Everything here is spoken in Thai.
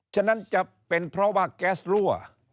ฉะนั้นจะเป็นเพราะว่าแก๊สรั่ว